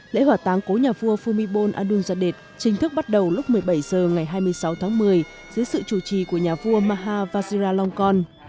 lễ hỏa táng cố nhà vua phumibol adunzadit chính thức bắt đầu lúc một mươi bảy h ngày hai mươi sáu tháng một mươi dưới sự chủ trì của nhà vua maha vajiralongkon